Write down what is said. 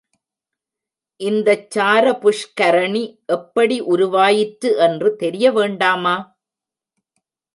இந்தச் சார புஷ்கரணி எப்படி உருவாயிற்று என்று தெரியவேண்டாமா?